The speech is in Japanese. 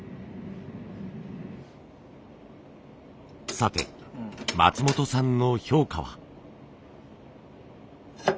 さて松本さんの評価は。